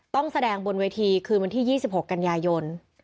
ต้องแสดงบนเวทีคืนวันที่๒๖กันยายน